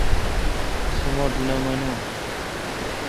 سو مٹھ نہ مانوں۔